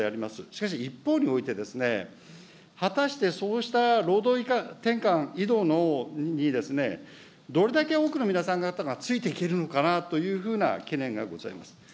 しかし、一方において、果たしてそうした労働転換、移動に、どれだけ多くの皆さん方がついていけるのかなというふうな懸念がございます。